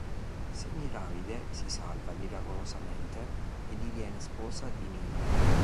Semiramide si salva miracolosamente e diviene sposa di Nino.